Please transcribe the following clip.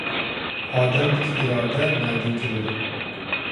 ئادەمدىكى ئىرادە نەدىن كېلىدۇ؟